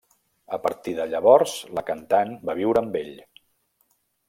A partir de llavors, la cantant va viure amb ell.